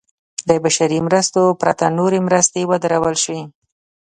د بشري مرستو پرته نورې مرستې ودرول شي.